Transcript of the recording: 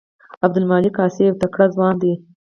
عبدالمالک عاصي یو تکړه ځوان دی.